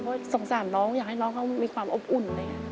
เพราะสงสารน้องอยากให้น้องเขามีความอบอุ่นเลย